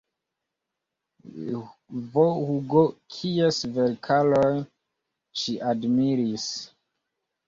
V. Hugo kies verkaron ŝi admiris.